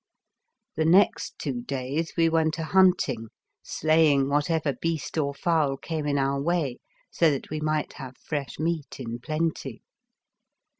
The next two days we went a hunting, slaying whatever beast or fowl came in our way, so that we might have fresh meat in plenty.